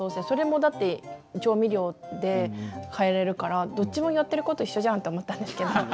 それもだって調味料で変えれるからどっちもやってる事一緒じゃんと思ったんですけど。